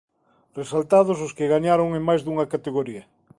Resaltados os que gañaron en máis dunha categoría.